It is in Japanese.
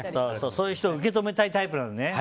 そういう人を受け止めたいタイプなのね。